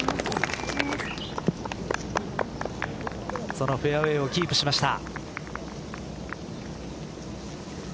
そのフェアウエーをキープしました。